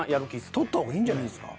取った方がいいんじゃないですか？